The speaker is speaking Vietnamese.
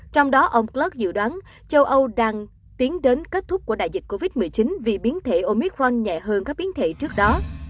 trong đó ông plus dự đoán châu âu đang tiến đến kết thúc của đại dịch covid một mươi chín vì biến thể omicron nhẹ hơn các biến thể trước đó